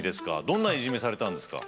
どんないじめされたんですか？